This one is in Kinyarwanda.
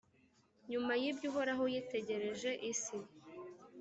Nyuma y’ibyo Uhoraho yitegereje isi,